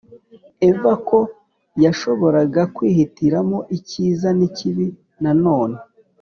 Eva ko yashoboraga kwihitiramo icyiza n ikibi Nanone